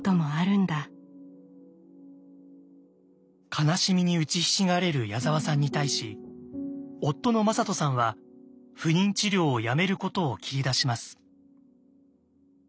悲しみにうちひしがれる矢沢さんに対し夫の魔裟斗さんは不妊治療をやめることを切り出します。